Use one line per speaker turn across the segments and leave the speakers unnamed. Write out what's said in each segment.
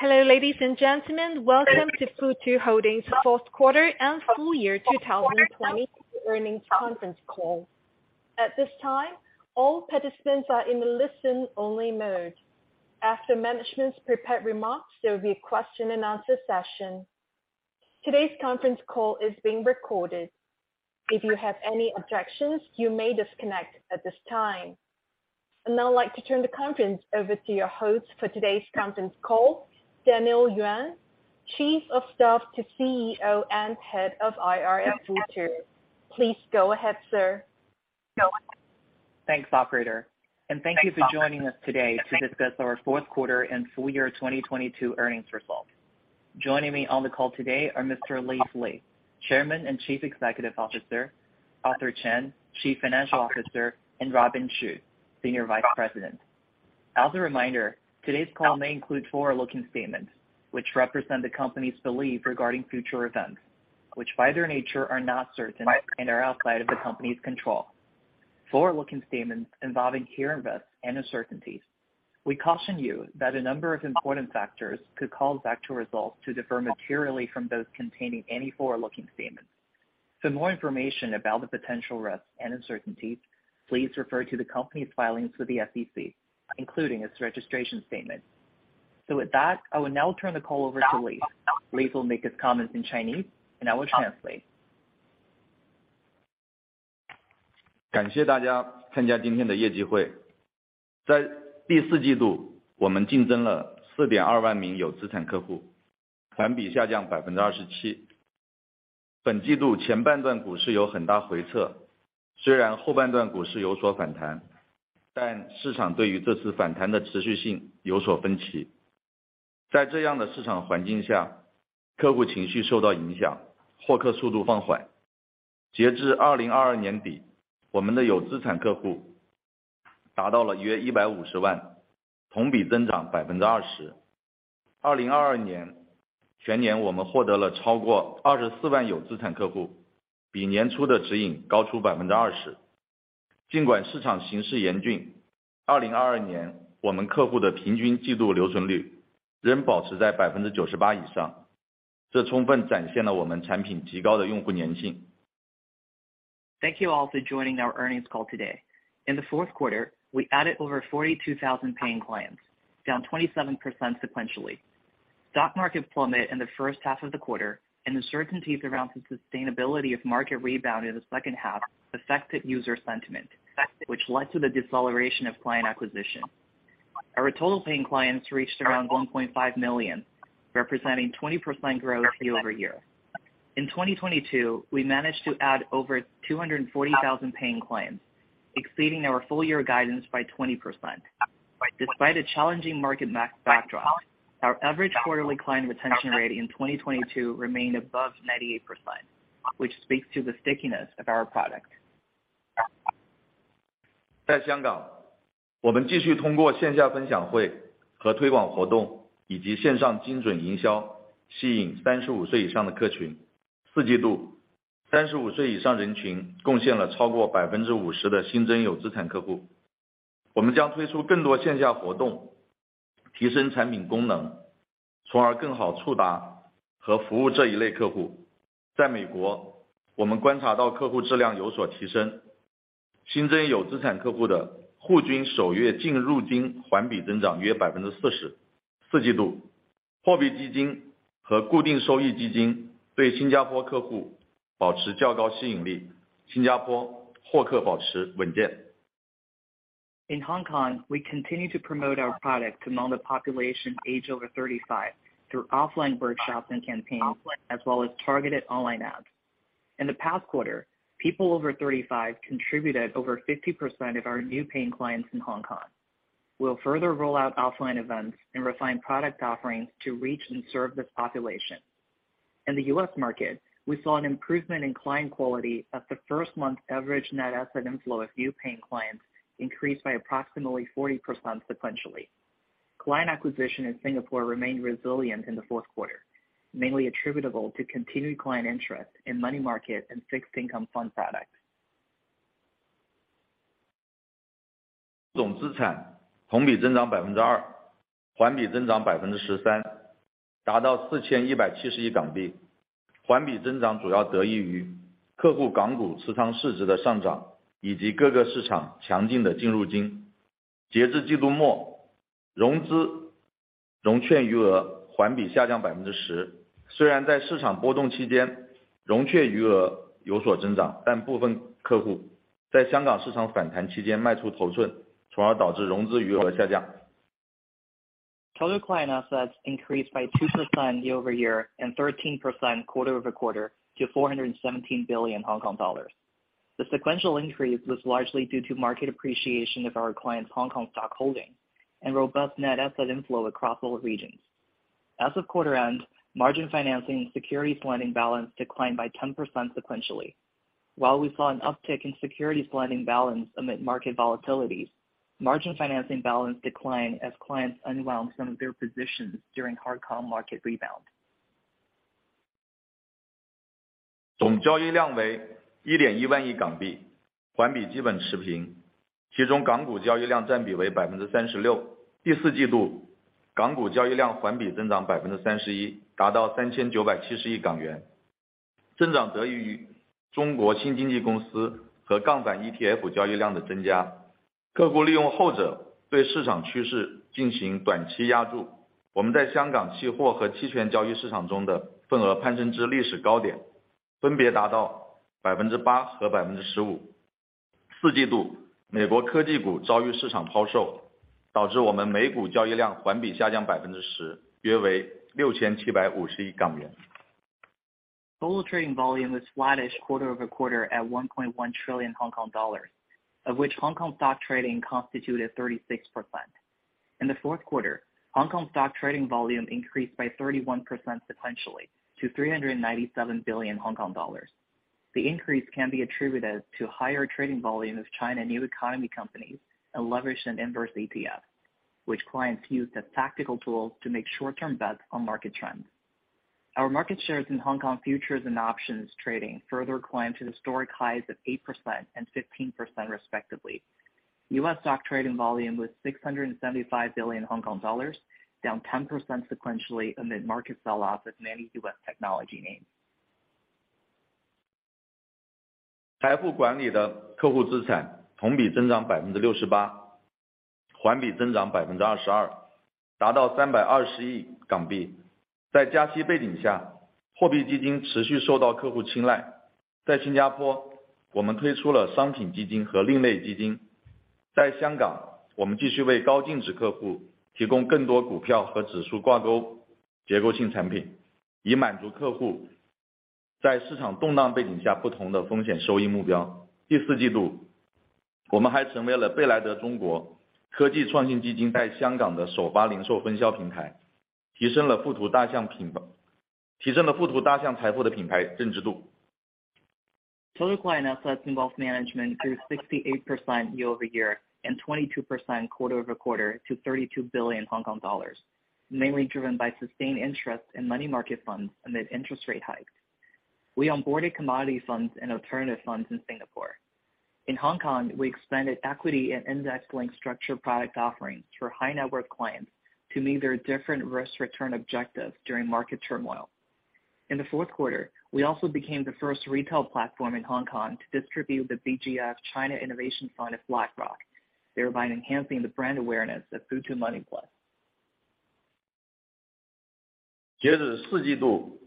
Hello, ladies and gentlemen. Welcome to Futu Holdings fourth quarter and full year 2020 earnings conference call. At this time, all participants are in a listen-only mode. After management's prepared remarks, there will be a question and answer session. Today's conference call is being recorded. If you have any objections, you may disconnect at this time. I'd now like to turn the conference over to your host for today's conference call, Daniel Yuan, Chief of Staff to CEO and Head of IR at Futu. Please go ahead, sir.
Thanks, operator. Thank you for joining us today to discuss our fourth quarter and full year 2022 earnings results. Joining me on the call today are Mr. Leaf Li, Chairman and Chief Executive Officer, Arthur Chen, Chief Financial Officer, and Robin Xu, Senior Vice President. As a reminder, today's call may include forward-looking statements, which represent the company's belief regarding future events, which, by their nature, are not certain and are outside of the company's control. Forward-looking statements involving here risks and uncertainties. We caution you that a number of important factors could cause actual results to differ materially from those containing any forward-looking statements. For more information about the potential risks and uncertainties, please refer to the company's filings with the SEC, including its registration statement. With that, I will now turn the call over to Leaf. Li will make his comments in Chinese. I will translate. Thank you all for joining our earnings call today. In the fourth quarter, we added over 42,000 paying clients, down 27% sequentially. Stock market plummet in the first half of the quarter. The uncertainties around the sustainability of market rebound in the second half affected user sentiment, which led to the deceleration of client acquisition. Our total paying clients reached around 1.5 million, representing 20% growth year-over-year. In 2022, we managed to add over 240,000 paying clients, exceeding our full year guidance by 20%. Despite a challenging market backdrop, our average quarterly client retention rate in 2022 remained above 98%, which speaks to the stickiness of our product. In Hong Kong, we continue to promote our product among the population aged over 35 through offline workshops and campaigns, as well as targeted online ads. In the past quarter, people over 35 contributed over 50% of our new paying clients in Hong Kong. We'll further roll out offline events and refine product offerings to reach and serve this population. In the U.S. market, we saw an improvement in client quality as the first month's average net asset inflow of new paying clients increased by approximately 40% sequentially. Client acquisition in Singapore remained resilient in the fourth quarter, mainly attributable to continued client interest in money market and fixed income fund products. Total client assets increased by 2% year-over-year and 13% quarter-over-quarter to 417 billion Hong Kong dollars. The sequential increase was largely due to market appreciation of our clients' Hong Kong stock holdings and robust net asset inflow across all regions. As of quarter end, margin financing and securities lending balance declined by 10% sequentially. While we saw an uptick in securities lending balance amid market volatility, margin financing balance declined as clients unwound some of their positions during Hong Kong market rebound.
总交易量为一点一万亿港 币， 环比基本持 平， 其中港股交易量占比为百分之三十六。第四季度港股交易量环比增长百分之三十 一， 达到三千九百七十亿港元。增长得益于中国新经济公司和杠杆 ETF 交易量的增 加， 客户利用后者对市场趋势进行短期押注。我们在香港期货和期权交易市场中的份额攀升至历史高 点， 分别达到百分之八和百分之十五。四季 度， 美国科技股遭遇市场抛 售， 导致我们美股交易量环比下降百分之 十， 约为六千七百五十亿港元。
Total trading volume was flattish quarter-over-quarter at 1.1 trillion Hong Kong dollars, of which Hong Kong stock trading constituted 36%. In the fourth quarter, Hong Kong stock trading volume increased by 31% sequentially to 397 billion Hong Kong dollars. The increase can be attributed to higher trading volume of China new economy companies and leveraged and inverse ETF, which clients used as tactical tools to make short-term bets on market trends. Our market shares in Hong Kong Futures and Options trading further climbed to the historic highs of 8% and 15% respectively. U.S. stock trading volume was 675 billion Hong Kong dollars, down 10% sequentially amid market sell-off of many U.S. technology names.
财富管理的客户资产同比增长百分之六十 八， 环比增长百分之二十 二， 达到三百二十亿港币。在加息背景 下， 货币基金持续受到客户青睐。在新加 坡， 我们推出了商品基金和另类基金。在香 港， 我们继续为高净值客户提供更多股票和指数挂钩结构性产 品， 以满足客户在市场动荡背景下不同的风险收益目标。第四季 度， 我们还成为了贝莱德中国科技创新基金在香港的首发零售分销平 台， 提升了富途大象品牌--提升了富途大象财富的品牌认知度。
Total client assets involved management through 68% year-over-year and 22% quarter-over-quarter to 32 billion Hong Kong dollars, mainly driven by sustained interest in money market funds amid interest rate hikes. We onboarded commodity funds and alternative funds in Singapore. In Hong Kong, we expanded equity and index-linked structured product offerings for high net worth clients to meet their different risk return objectives during market turmoil. In the fourth quarter, we also became the first retail platform in Hong Kong to distribute the BGF China Innovation Fund of BlackRock, thereby enhancing the brand awareness of Futu Money Plus.
截止四季 度，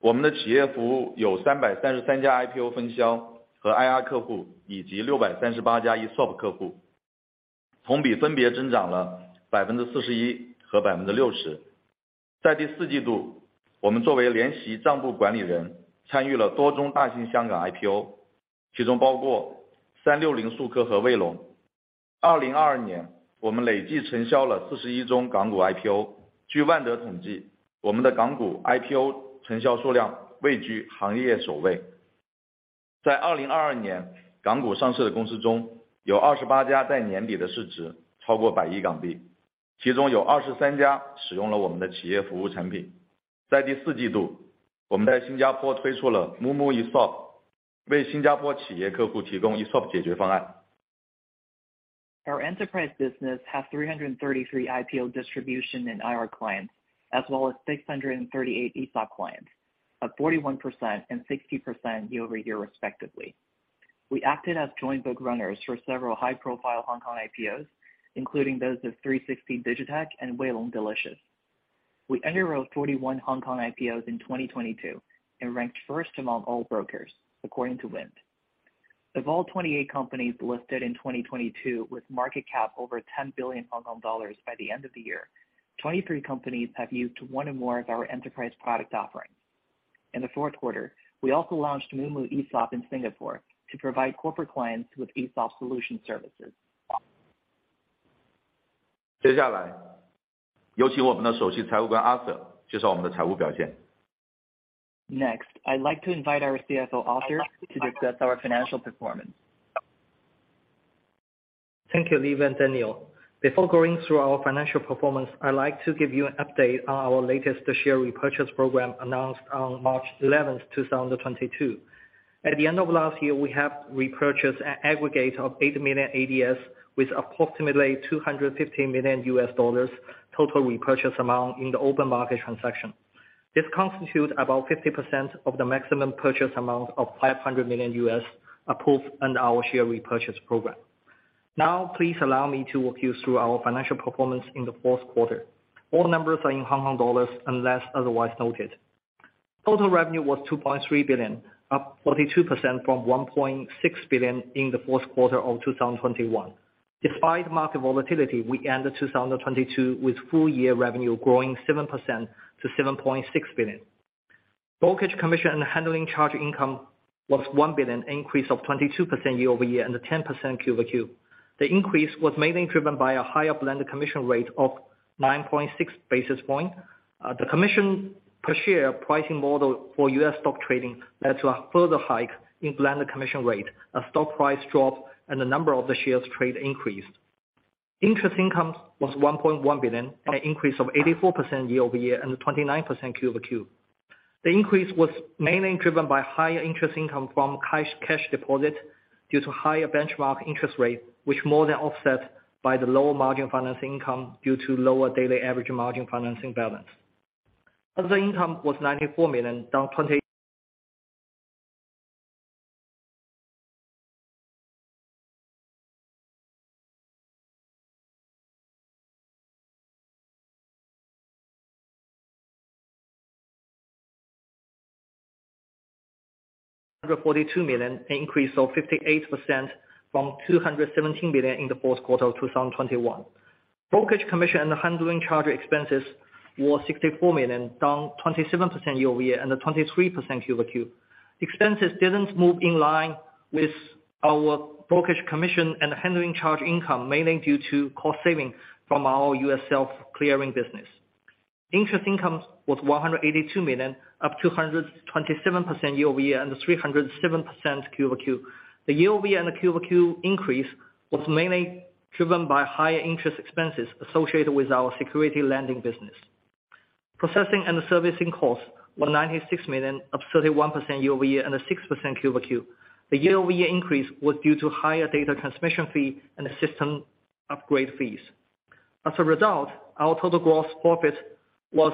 我们的企业服务有三百三十三家 IPO 分销和 IR 客 户， 以及六百三十八家 ESOP 客 户， 同比分别增长了百分之四十一和百分之六十。在第四季 度， 我们作为联席账簿管理 人， 参与了多宗大型香港 IPO， 其中包括三六零数科和卫龙。二零二二 年， 我们累计承销了四十一宗港股 IPO。据万得统 计， 我们的港股 IPO 承销数量位居行业首位。在二零二二年港股上市的公司 中， 有二十八家在年底的市值超过百亿港 币， 其中有二十三家使用了我们的企业服务产品。在第四季 度， 我们在新加坡推出了 moomoo ESOP， 为新加坡企业客户提供 ESOP 解决方案。
Our enterprise business has 333 IPO distribution in IR clients as well as 638 ESOP clients, up 41% and 60% year-over-year respectively. We acted as joint bookrunners for several high-profile Hong Kong IPOs, including those of 360 DigiTech and Weilong Delicious. We underwrote 41 Hong Kong IPOs in 2022 and ranked first among all brokers according to Wind. Of all 28 companies listed in 2022 with market cap over 10 billion Hong Kong dollars by the end of the year, 23 companies have used one or more of our enterprise product offerings. In the fourth quarter, we also launched moomoo ESOP in Singapore to provide corporate clients with ESOP solution services.
接下来有请我们的 Chief Financial Officer Arthur 介绍我们的财务表 现.
Next, I'd like to invite our CFO, Arthur, to discuss our financial performance.
Thank you, Li and Daniel. Before going through our financial performance, I'd like to give you an update on our latest share repurchase program announced on March 11th, 2022. At the end of last year, we have repurchased an aggregate of 8 million ADS with approximately $250 million total repurchase amount in the open market transaction. This constitutes about 50% of the maximum purchase amount of $500 million approved under our share repurchase program. Please allow me to walk you through our financial performance in the fourth quarter. All numbers are in Hong Kong dollars unless otherwise noted. Total revenue was 2.3 billion, up 42% from 1.6 billion in the fourth quarter of 2021. Despite market volatility, we ended 2022 with full year revenue growing 7% to 7.6 billion. Brokerage commission and handling charge income was $1 billion, increase of 22% year-over-year and 10% Q-over-Q. The increase was mainly driven by a higher blended commission rate of 9.6 basis point. The commission per share pricing model for U.S. stock trading led to a further hike in blended commission rate, a stock price drop and the number of the shares trade increased. Interest income was $1.1 billion, an increase of 84% year-over-year and 29% Q-over-Q. The increase was mainly driven by higher interest income from cash deposit due to higher benchmark interest rate, which more than offset by the lower margin financing income due to lower daily average margin financing balance. Other income was $94 million, down. $142 million, an increase of 58% from $217 million in the fourth quarter of 2021. Brokerage commission and the handling charge expenses was $64 million, down 27% year-over-year and the 23% Q-over-Q. Expenses didn't move in line with our brokerage commission and handling charge income, mainly due to cost saving from our U.S. self-clearing business. Interest income was $182 million, up 227% year-over-year and 307% Q-over-Q. The year-over-year and the Q-over-Q increase was mainly driven by higher interest expenses associated with our security lending business. Processing and servicing costs were $96 million, up 31% year-over-year and 6% Q-over-Q. The year-over-year increase was due to higher data transmission fee and the system upgrade fees. As a result, our total gross profit was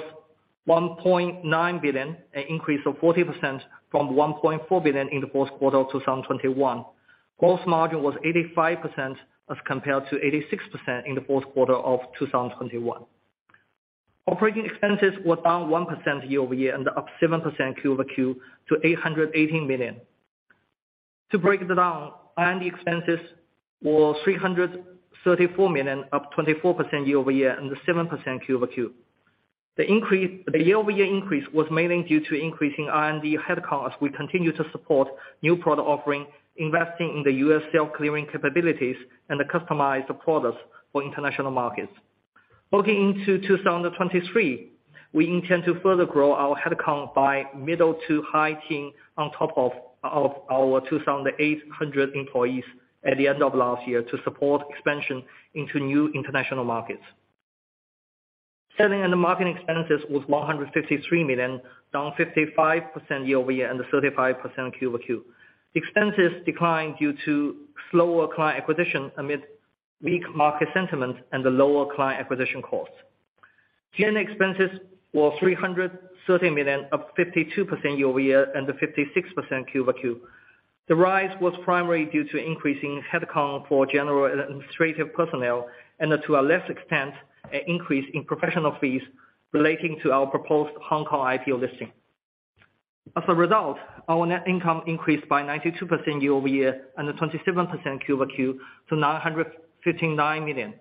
1.9 billion, an increase of 40% from 1.4 billion in the fourth quarter of 2021. Gross margin was 85% as compared to 86% in the fourth quarter of 2021. Operating expenses were down 1% year-over-year and up 7% Q-over-Q to 818 million. To break it down, R&D expenses were 334 million, up 24% year-over-year and 7% Q-over-Q. The year-over-year increase was mainly due to increasing R&D headcounts. We continue to support new product offering, investing in the U.S. self-clearing capabilities and the customized products for international markets. Looking into 2023, we intend to further grow our headcount by middle to high teen on top of our 2,800 employees at the end of last year to support expansion into new international markets. Selling and the marketing expenses was $153 million, down 55% year-over-year and 35% Q-over-Q. Expenses declined due to slower client acquisition amid weak market sentiment and the lower client acquisition costs. General expenses were $330 million, up 52% year-over-year and the 56% Q-over-Q. The rise was primarily due to increasing headcount for general administrative personnel and to a less extent, an increase in professional fees relating to our proposed Hong Kong IPO listing. As a result, our net income increased by 92% year-over-year and 27% Q-over-Q to $959 million.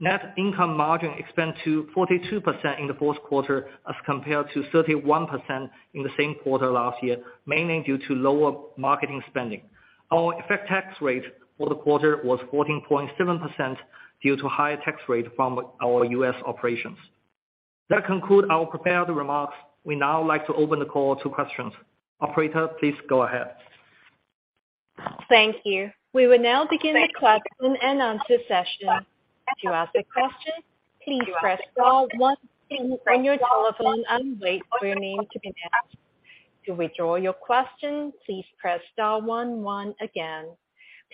Net income margin expanded to 42% in the fourth quarter as compared to 31% in the same quarter last year, mainly due to lower marketing spending. Our effective tax rate for the quarter was 14.7% due to higher tax rate from our U.S. operations. That conclude our prepared remarks. We'd now like to open the call to questions. Operator, please go ahead.
Thank you. We will now begin the question and answer session. To ask a question, please press star one on your telephone and wait for your name to be announced. To withdraw your question, please press star one one again.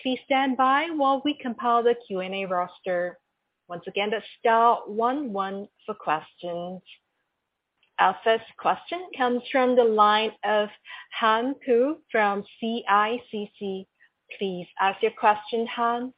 Please stand by while we compile the Q&A roster. Once again, that's star one one for questions. Our first question comes from the line of Han Pu from CICC. Please ask your question, Han.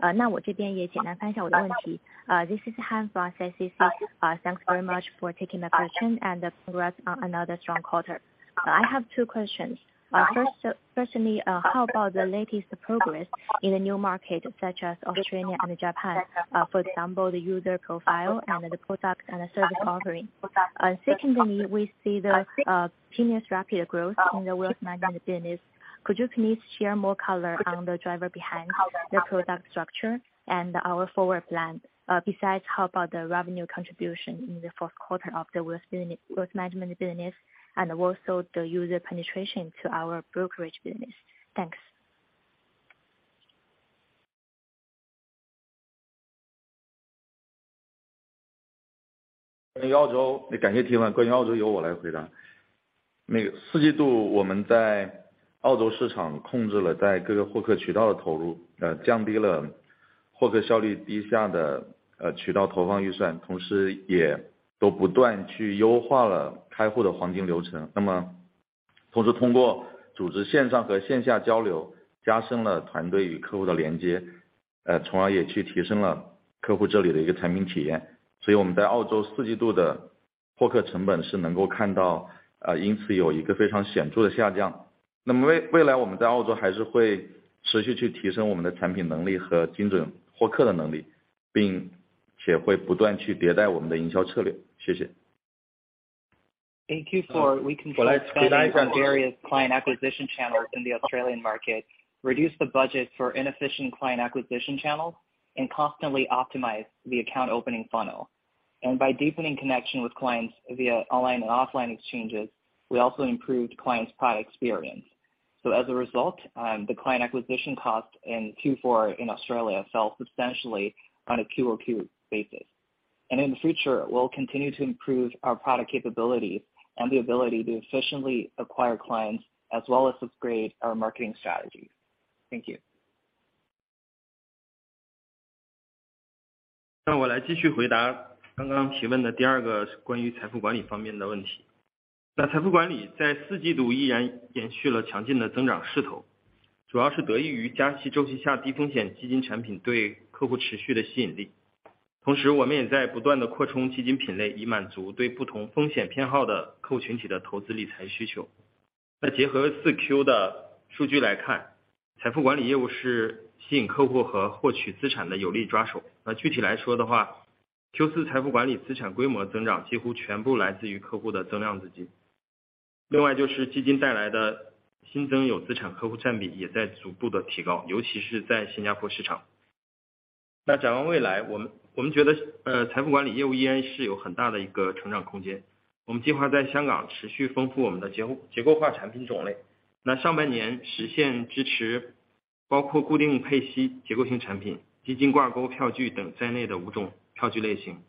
This is Han from CICC. Thanks very much for taking my question and congrats on another strong quarter. I have two questions. Firstly, how about the latest progress in the new markets such as Australia and Japan? For example, the user profile and the product and service offering. Secondly, we see the continuous rapid growth in the wealth management business. Could you please share more color on the driver behind the product structure and our forward plan? Besides, how about the revenue contribution in the fourth quarter of the wealth management business, and also the user penetration to our brokerage business? Thanks.
同时通过组织线上和线下交 流， 加深了团队与客户的连 接， 从而也去提升了客户这里的一个产品体验。我们在澳洲四季度的获客成本是能够看 到， 因此有一个非常显著的下降。未来我们在澳洲还是会持续去提升我们的产品能力和精准获客的能 力， 也会不断去迭代我们的营销策略。谢谢。
In Q4 we can various client acquisition channels in the Australian market, reduce the budget for inefficient client acquisition channels and constantly optimize the account opening funnel. By deepening connection with clients via online and offline exchanges, we also improved clients product experience. As a result, the client acquisition cost in Q4 in Australia fell substantially on a Q-over-Q basis. In the future, we'll continue to improve our product capabilities and the ability to efficiently acquire clients as well as upgrade our marketing strategies. Thank you.
那我来继续回答刚刚提问的第二个关于财富管理方面的问题。那财富管理在四季度依然延续了强劲的增长势 头， 主要是得益于加息周期下低风险基金产品对客户持续的吸引力。同时我们也在不断地扩充基金品 类， 以满足对不同风险偏好的客户群体的投资理财需求。那结合 4Q 的数据来 看， 财富管理业务是吸引客户和获取资产的有力抓手。那具体来说的话 ，Q4 财富管理资产规模的增长几乎全部来自于客户的增量资金。另外就是基金带来的新增有资产客户占比也在逐步地提 高， 尤其是在新加坡市场。那展望未 来， 我 们， 我们觉 得， 呃， 财富管理业务依然是有很大的一个成长空间。我们计划在香港持续丰富我们的结 构， 结构化产品种 类， 那上半年实现支持包括固定配息、结构性产品、基金挂钩票据等在内的五种票据类 型，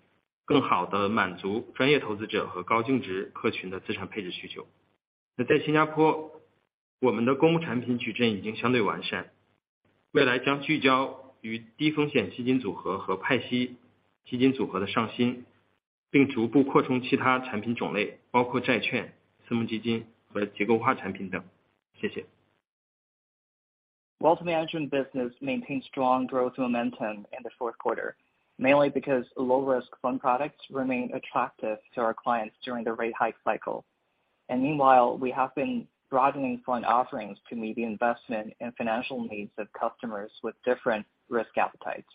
更好地满足专业投资者和高净值客群的资产配置需求。那在新加 坡， 我们的公募产品矩阵已经相对完 善， 未来将聚焦于低风险基金组合和派息基金组合的上 新， 并逐步扩充其他产品种 类， 包括债券、私募基金和结构化产品等。谢谢。
Wealth management business maintain strong growth momentum in the fourth quarter, mainly because low risk fund products remain attractive to our clients during the rate hike cycle. Meanwhile, we have been broadening fund offerings to meet the investment and financial needs of customers with different risk appetites.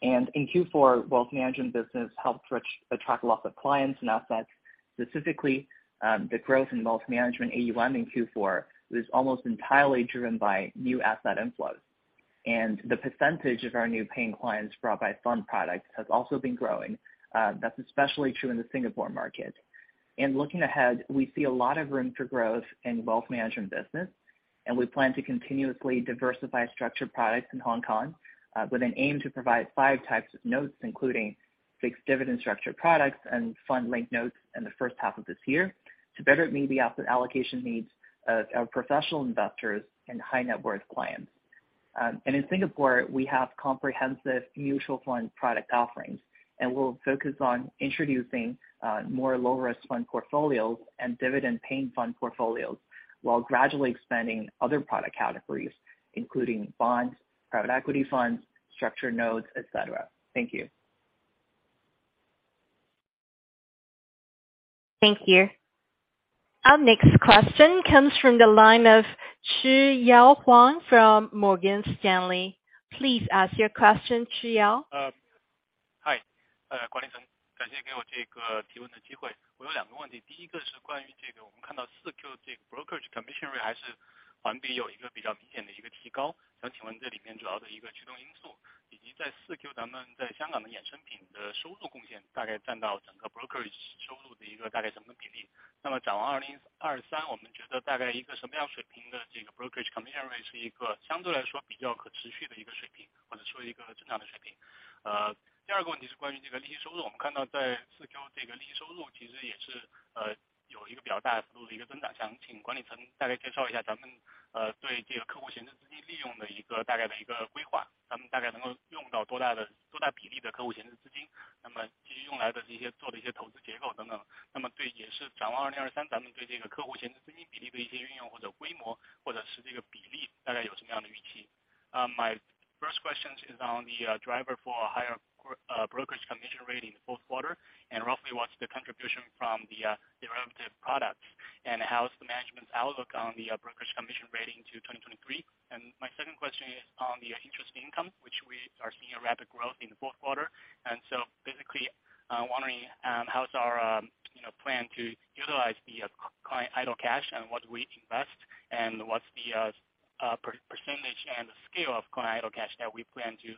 In Q4, wealth management business helped attract lots of clients and assets. Specifically, the growth in wealth management AUM in Q4 is almost entirely driven by new asset inflows, and the percentage of our new paying clients brought by fund products has also been growing. That's especially true in the Singapore market. Looking ahead, we see a lot of room for growth in wealth management business. We plan to continuously diversify structured products in Hong Kong, with an aim to provide five types of notes, including fixed dividend structure products and fund linked notes in the first half of this year to better meet the asset allocation needs of our professional investors and high net worth clients. In Singapore, we have comprehensive mutual fund product offerings, and we'll focus on introducing more low risk fund portfolios and dividend paying fund portfolios while gradually expanding other product categories including bonds, private equity funds, structure notes, etc. Thank you.
Thank you. Our next question comes from the line of Chi Yao Huang from Morgan Stanley. Please ask your question, Chi Yao.
嗨，管理层感谢给我这个提问的机会。我有2个问题，第一个是关于我们看到4Q这个brokerage commission rate还是环比有一个比较明显的一个提高，想请问这里面主要的驱动因素，以及在4Q咱们在Hong Kong的derivative products的收入贡献大概占到整个brokerage收入的一个大概什么比例？展望2023，我们觉得大概一个什么样水平的这个brokerage commission rate是一个相对来说比较可持续的一个水平，或者说一个正常的水平。第二个问题是关于这个利息收入，我们看到在4Q这个利息收入其实也是有一个比较大幅度的一个增长，想请管理层大概介绍一下咱们对这个客户闲置资金利用的一个大概的一个规划，咱们大概能够用到多大比例的客户闲置资金，继续用来的一些，做的一些投资结构等等。也是展望2023，咱们对这个客户闲置资金比例的一些运用，或者规模，或者是这个比例大概有什么样的预期？My first question is on the driver for a higher brokerage commission rate in fourth quarter and roughly what's the contribution from the derivative products and how is the management's outlook on the brokerage commission rating to 2023? My second question is on the interest income, which we are seeing a rapid growth in the fourth quarter. Basically, wondering, how's our, you know, plan to utilize the client idle cash and what we invest and what's the percentage and scale of client idle cash that we plan to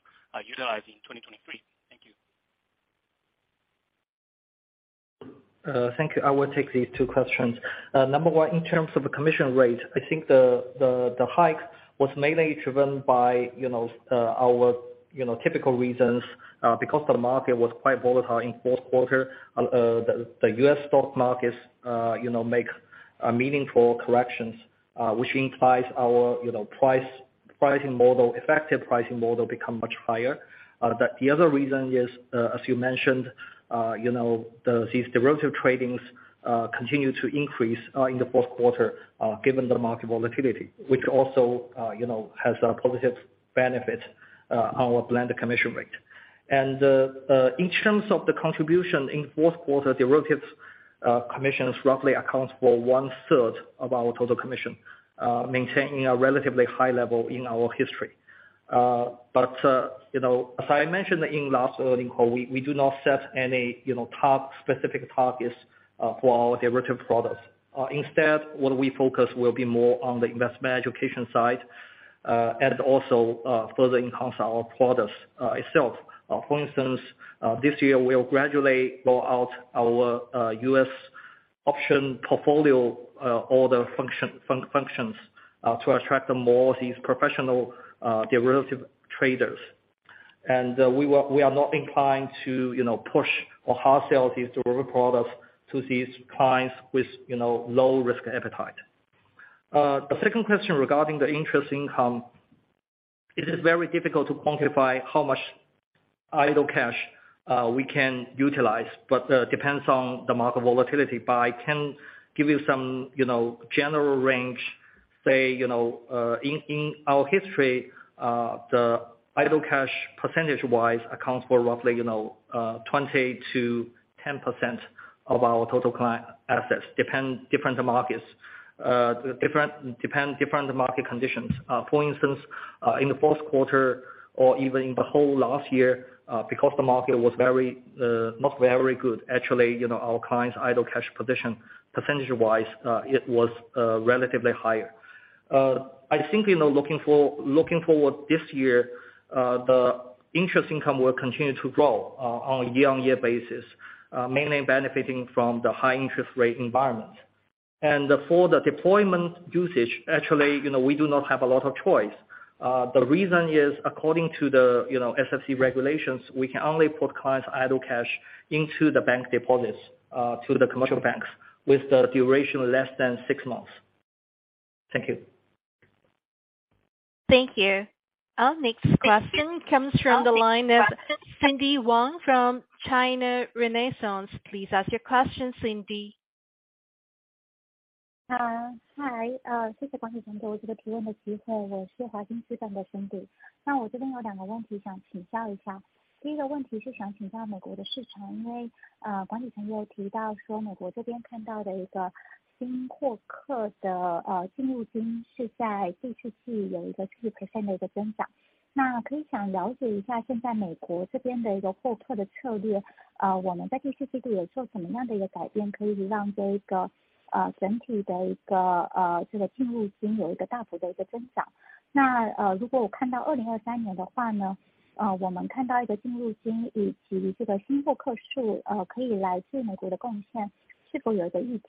utilize in 2023? Thank you.
Thank you. I will take these two questions. Number one, in terms of the commission rate, I think the hike was mainly driven by, you know, our, you know, typical reasons, because the market was quite volatile in fourth quarter. The U.S. stock markets, you know, make a meaningful corrections, which implies our, you know,
Pricing model—effective pricing model become much higher. The other reason is, as you mentioned, you know, these derivative tradings continue to increase in the fourth quarter, given the market volatility, which also, you know, has a positive benefit on our blended commission rate. In terms of the contribution in fourth quarter, derivatives commissions roughly account for one-third of our total commission, maintaining a relatively high level in our history. But, you know, as I mentioned in last earnings call, we do not set any, you know, specific targets for our derivative products. Instead, what we focus will be more on the investment education side, and also further enhance our products itself. For instance, this year we'll gradually roll out our U.S. option portfolio order functions to attract more of these professional derivative traders. We are not inclined to, you know, push or hard sell these derivative products to these clients with, you know, low risk appetite. The second question regarding the interest income, it is very difficult to quantify how much idle cash we can utilize, but depends on the market volatility. I can give you some, you know, general range. Say, you know, in our history, the idle cash percentage-wise accounts for roughly, you know, 20%-10% of our total client assets, depend different markets, depend different market conditions. For instance, in the fourth quarter or even in the whole last year, because the market was very, not very good, actually, you know, our clients' idle cash position percentage-wise, it was relatively higher. I think, you know, looking forward this year, the interest income will continue to grow on a year-over-year basis, mainly benefiting from the high interest rate environment. For the deployment usage, actually, you know, we do not have a lot of choice. The reason is according to the, you know, SFC regulations, we can only put clients' idle cash into the bank deposits to the commercial banks with the duration less than six months. Thank you.
Thank you. Our next question comes from the line of Cindy Wang from China Renaissance. Please ask your question, Cindy.
Hi. Speaks in foreign language.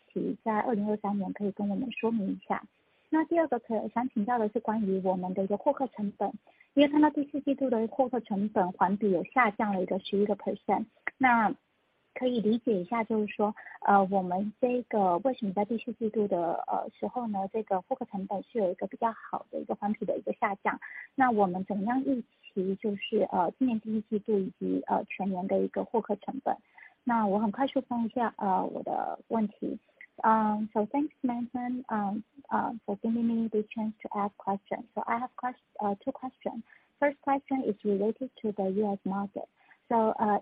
Thanks management for giving me this chance to ask question. I have two questions. First question is related to the U.S. market.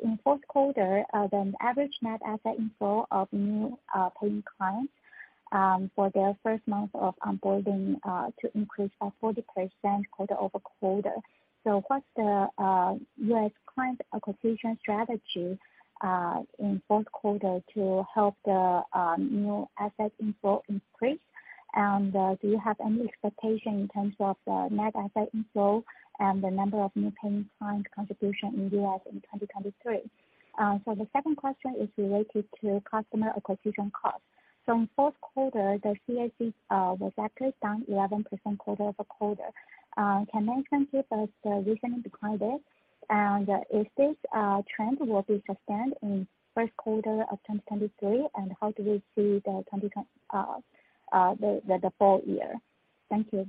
In fourth quarter, the average net asset inflow of new paying clients for their first month of onboarding to increase by 40% quarter-over-quarter. What's the U.S. client acquisition strategy in fourth quarter to help the new asset inflow increase? Do you have any expectation in terms of the net asset inflow and the number of new paying client contribution in U.S. in 2023? The second question is related to customer acquisition cost. From fourth quarter, the CAC was actually down 11% quarter-over-quarter. Can management give us the reasoning behind it, and if this trend will be sustained in 1st quarter of 2023, and how do you see the full year? Thank you.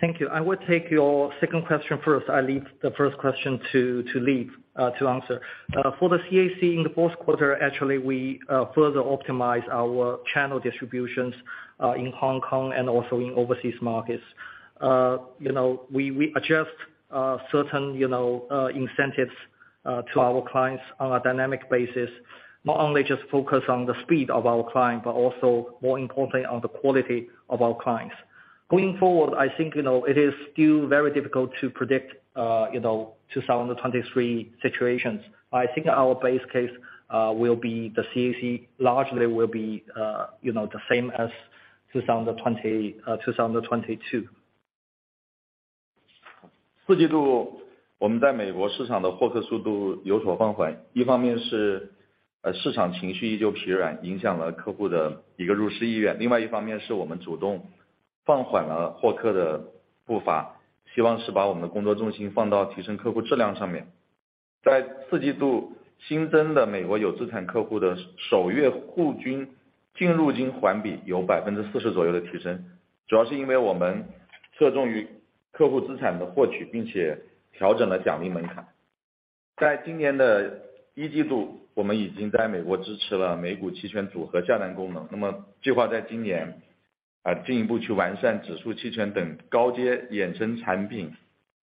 Thank you. I will take your second question first, I leave the first question to Lee to answer. For the CAC in the fourth quarter, actually we further optimize our channel distributions in Hong Kong and also in overseas markets. You know, we adjust certain, you know, incentives to our clients on a dynamic basis. Not only just focus on the speed of our client, but also more importantly, on the quality of our clients. Going forward, I think, you know, it is still very difficult to predict, you know, 2023 situations. I think our base case will be the CAC largely will be, you know, the same as 2022.
Speaks in foreign language.
在 Q4 新增的美国有资产客户的首月户均净入金环比有 40% 左右的提 升， 主要是因为我们侧重于客户资产的获 取， 并且调整了奖励门槛。在今年的 Q1， 我们已经在美国支持了美股期权组合下单功 能， 那么计划在今年进一步去完善指数、期权等高阶衍生产品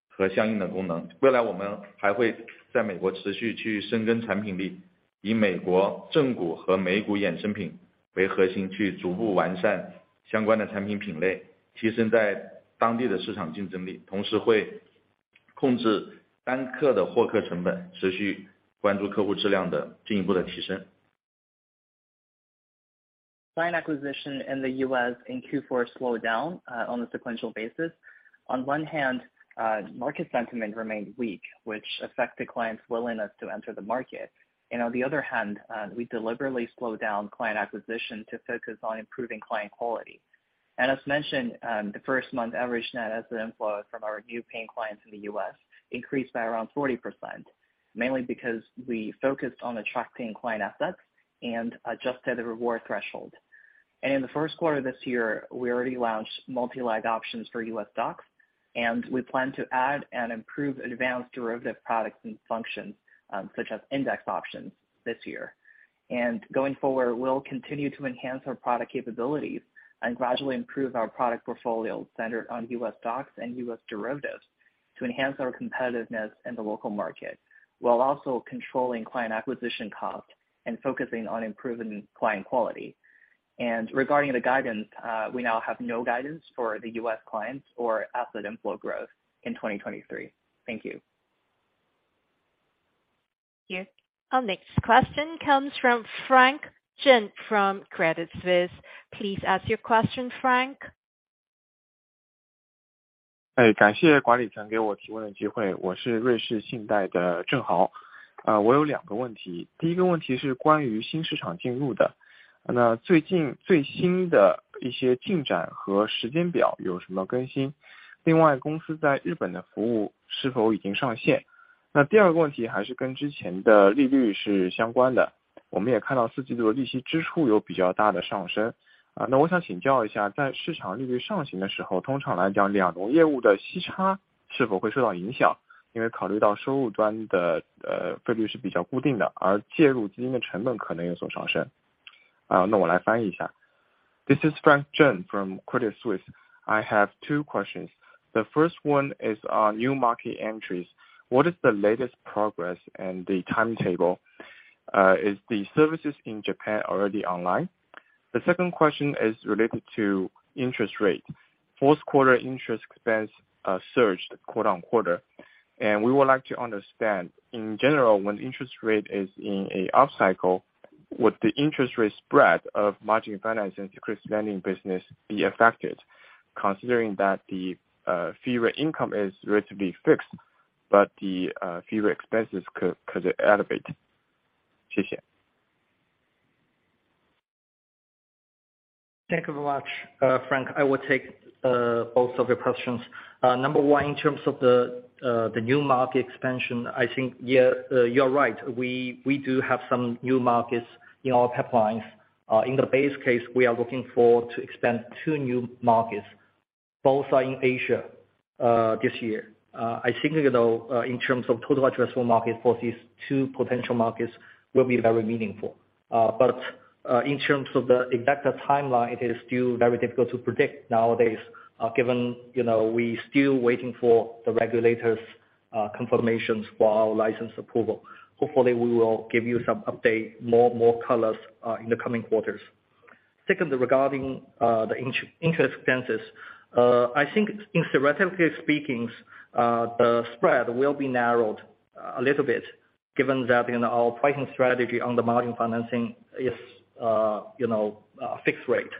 和相应的功能。未来我们还会在美国持续去深耕产品 力， 以美国正股和美股衍生品为核 心， 去逐步完善相关的产品品 类， 提升在当地的市场竞争力。同时会控制单客的获客成 本， 持续关注客户质量的进一步的提升。
Client acquisition in the US in Q4 slowed down on a sequential basis. On one hand, market sentiment remained weak, which affect the clients' willingness to enter the market. On the other hand, we deliberately slowed down client acquisition to focus on improving client quality. As mentioned, the first month average net asset inflow from our new paying clients in the US increased by around 40%, mainly because we focused on attracting client assets and adjusted the reward threshold. In the first quarter this year, we already launched multi-leg options for US stocks, and we plan to add and improve advanced derivative products and functions, such as index options this year. Going forward, we'll continue to enhance our product capabilities and gradually improve our product portfolio centered on U.S. stocks and U.S. derivatives to enhance our competitiveness in the local market, while also controlling client acquisition cost and focusing on improving client quality. Regarding the guidance, we now have no guidance for the U.S. clients or asset inflow growth in 2023. Thank you.
Here. Our next question comes from Frank Zheng from Credit Suisse. Please ask your question, Frank.
哎， 感谢管理层给我提问的机 会， 我是瑞士信贷的郑豪。呃， 我有两个问 题， 第一个问题是关于新市场进入 的， 那最近最新的一些进展和时间表有什么更 新？ 另 外， 公司在日本的服务是否已经上 线？ 那第二个问题还是跟之前的利率是相关 的， 我们也看到四季度的利息支出有比较大的上升。呃， 那我想请教一 下， 在市场利率上行的时 候， 通常来讲两种业务的息差是否会受到影 响？ 因为考虑到收入端的 呃， 费率是比较固定 的， 而介入基金的成本可能有所上升。啊， 那我来翻译一下。This is Frank Zheng from Credit Suisse. I have two questions. The first one is on new market entries. What is the latest progress and the timetable? Is the services in Japan already online? The second question is related to interest rate. Fourth quarter interest expense surged quarter-on-quarter, and we would like to understand, in general, when interest rate is in a upcycle, would the interest rate spread of margin financing and securities lending business be affected? Considering that the fee and income is relatively fixed, but the fee expenses could elevate. 谢谢。
Thank you very much, Frank. I will take both of your questions. Number one, in terms of the new market expansion, I think, yeah, you are right. We do have some new markets in our pipelines. In the base case, we are looking forward to expand two new markets. Both are in Asia this year. I think, you know, in terms of total addressable market for these two potential markets will be very meaningful. But, in terms of the exact timeline, it is still very difficult to predict nowadays, given, you know, we still waiting for the regulators' confirmations for our license approval. Hopefully, we will give you some update more, more colors in the coming quarters. Second, regarding interest expenses. I think in theoretically speakings, the spread will be narrowed a little bit given that, you know, our pricing strategy on the margin financing is, you know, fixed rate.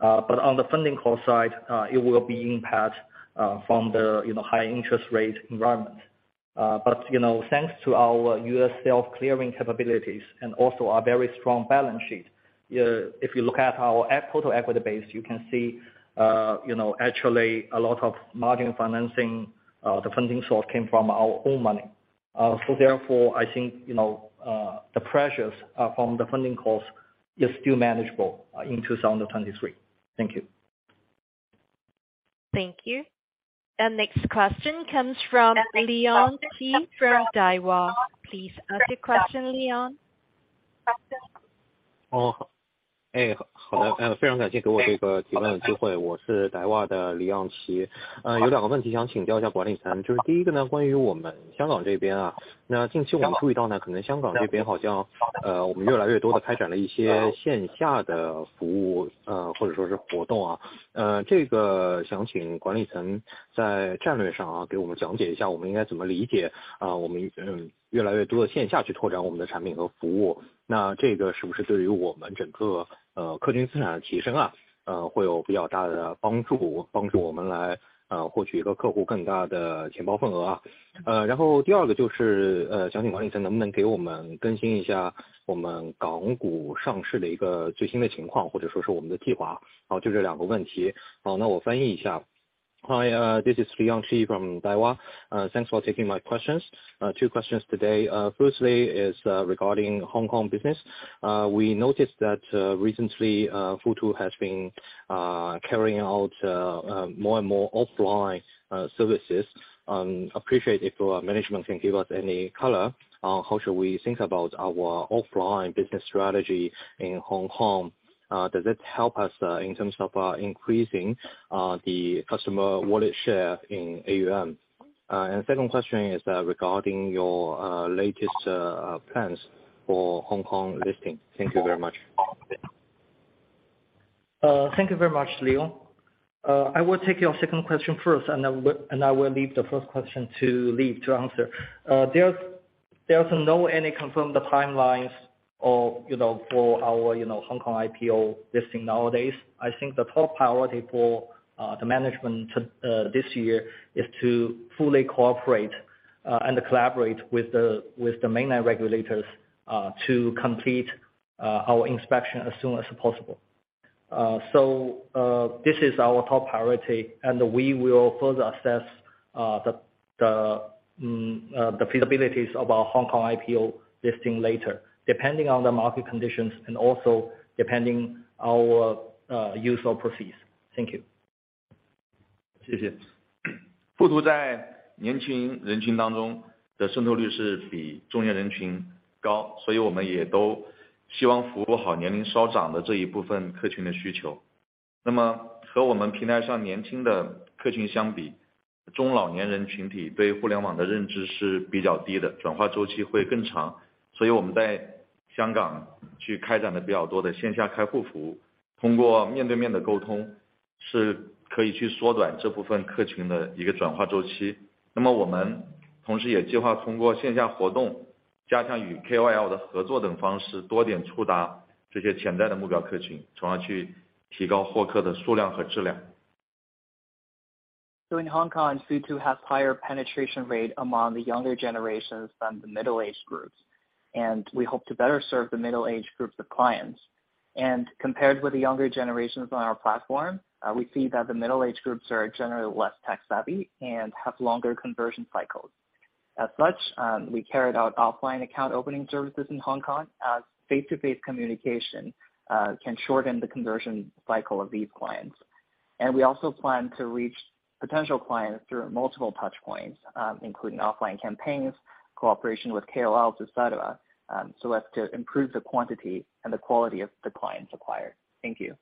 On the funding cost side, it will be impact from the, you know, high interest rate environment. Thanks to our U.S. self-clearing capabilities and also our very strong balance sheet, if you look at our total equity base, you can see, you know, actually a lot of margin financing, the funding source came from our own money. Therefore, I think, you know, the pressures from the funding costs is still manageable in 2023. Thank you.
Thank you. The next question comes from Leon Qi from Daiwa. Please ask your question, Leon.
好 的， 非常感谢给我这个提问的机 会， 我是 Daiwa 的 Leon Qi。有2个问题想请教一下管理层。第1个 呢， 关于我们香港这边。近期我们注意到 呢， 可能香港这边好 像， 我们越来越多地开展了一些线下的服 务， 或者说是活动。这个想请管理层在战略上给我们讲解一 下， 我们应该怎么理解。我们用越来越多的线下去拓展我们的产品和服务，这个是不是对于我们整个客户资产的提 升， 会有比较大的帮 助， 帮助我们来获取1个客户更大的钱包份额。第2个就 是， 想请管理层能不能给我们更新一下我们港股上市的1个最新的情 况， 或者说是我们的计划。好， 就这2个问题。好， 我翻译一下。Hi, this is Leon Qi from Daiwa. Thanks for taking my questions. Two questions today. Firstly is regarding Hong Kong business. We noticed that recently Futu has been carrying out more and more offline services. Appreciate if your management can give us any color on how should we think about our offline business strategy in Hong Kong. Does it help us in terms of increasing the customer wallet share in AUM? Second question is regarding your latest plans for Hong Kong listing. Thank you very much.
Thank you very much, Leon. I will take your second question first, and I will leave the first question to Lee to answer. There's no any confirmed timelines or, you know, for our, you know, Hong Kong IPO listing nowadays. I think the top priority for the management this year is to fully cooperate and collaborate with the mainland regulators to complete our inspection as soon as possible. This is our top priority, and we will further assess the feasibilities of our Hong Kong IPO listing later, depending on the market conditions and also depending our use of proceeds. Thank you. In Hong Kong, Futu has higher penetration rate among the younger generations than the middle-aged groups, and we hope to better serve the middle-aged groups of clients. Compared with the younger generations on our platform, we see that the middle-aged groups are generally less tech-savvy and have longer conversion cycles. As such, we carried out offline account opening services in Hong Kong as face-to-face communication can shorten the conversion cycle of these clients. We also plan to reach potential clients through multiple touchpoints, including offline campaigns, cooperation with KOL, et cetera, so as to improve the quantity and the quality of the clients acquired. Thank you.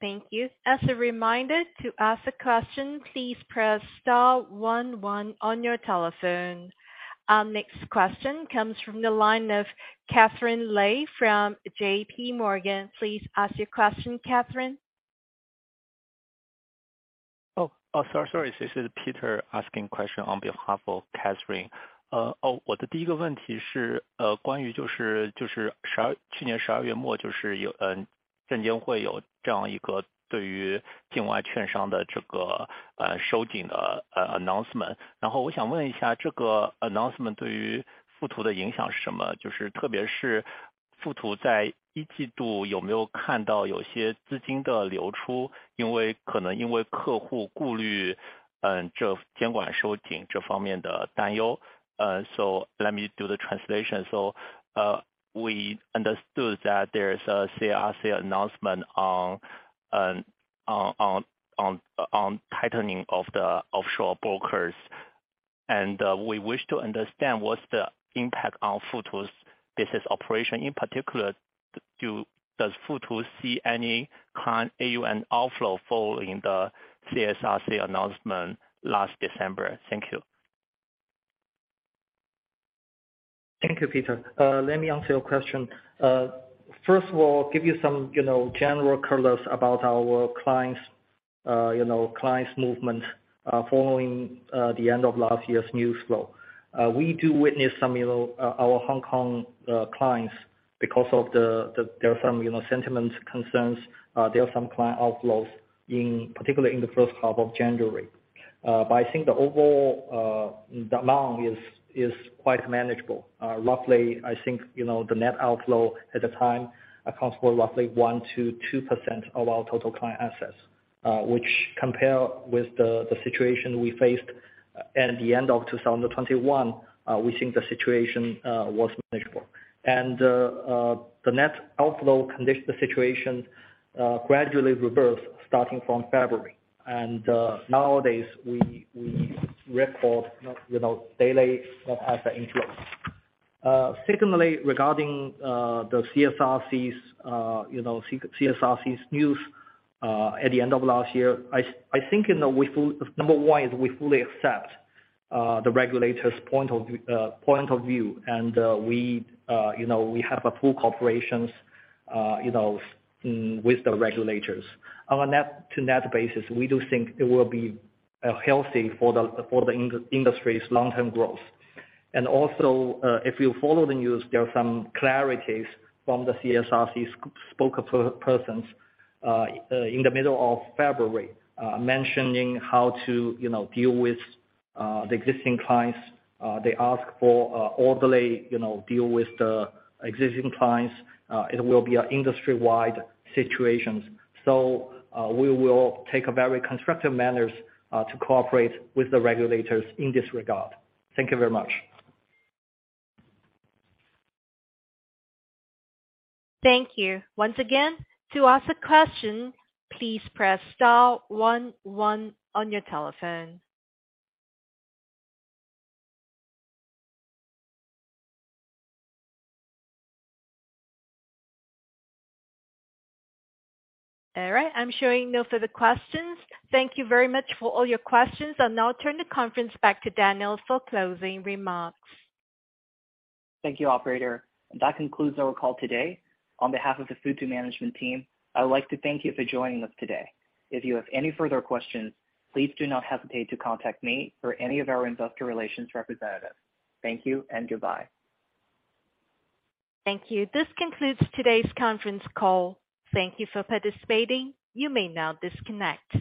Thank you. As a reminder, to ask a question, please press star one one on your telephone. Our next question comes from the line of Katherine Lei from J.P. Morgan. Please ask your question, Katherine.
sorry, this is Peter asking question on behalf of Katherine. Let me do the translation. We understood that there is a CSRC announcement on tightening of the offshore brokers. We wish to understand what's the impact on Futu's business operation. In particular, does Futu see any current AUM outflow following the CSRC announcement last December? Thank you.
Thank you, Peter. Let me answer your question. First of all, give you some, you know, general colors about our clients', you know, clients' movement, following the end of last year's news flow. We do witness some, you know, our Hong Kong clients because of the sentiment concerns. There are some client outflows in, particularly in the first half of January. I think the overall amount is quite manageable. Roughly I think, you know, the net outflow at the time accounts for roughly 1%-2% of our total client assets, which compare with the situation we faced at the end of 2021, we think the situation was manageable. The net outflow condition situation gradually reversed starting from February. Nowadays, we record, you know, daily net asset inflows. Secondly, regarding the CSRC's, you know, CSRC's news at the end of last year, I think, you know, we fully accept the regulators' point of view. We, you know, we have a full corporations, you know, with the regulators. On a net-to-net basis, we do think it will be healthy for the industry's long-term growth. Also, if you follow the news, there are some clarities from the CSRC's spokespersons in the middle of February, mentioning how to, you know, deal with the existing clients. They ask for orderly, you know, deal with the existing clients. It will be an industry-wide situations. We will take a very constructive manners, to cooperate with the regulators in this regard. Thank you very much.
Thank you. Once again, to ask a question, please press star one one on your telephone. All right. I'm showing no further questions. Thank you very much for all your questions. I'll now turn the conference back to Daniel for closing remarks.
Thank you, operator. That concludes our call today. On behalf of the Futu management team, I would like to thank you for joining us today. If you have any further questions, please do not hesitate to contact me or any of our investor relations representative. Thank you and goodbye.
Thank you. This concludes today's conference call. Thank you for participating. You may now disconnect.